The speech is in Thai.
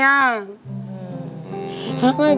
พ่อสาว